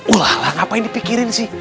ulah lah ngapain dipikirin sih